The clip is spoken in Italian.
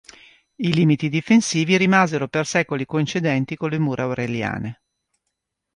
I limiti difensivi rimasero per secoli coincidenti con le mura aureliane.